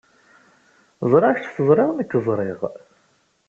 Ẓriɣ kecc teẓriḍ nekk ẓriɣ.